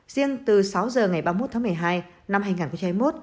riêng từ sáu h ngày ba mươi một tháng một mươi hai năm hai nghìn hai mươi một